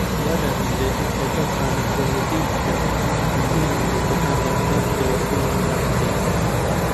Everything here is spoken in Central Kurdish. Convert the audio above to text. وا دادەنرێت، لەگەڵ خانەخوێیەکی دیکە نزیک لە مرۆڤەکان بە هەمان شێوە خۆی گونجاندبێت.